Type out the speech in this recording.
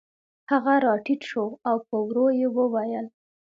هغه راټیټ شو او په ورو یې وویل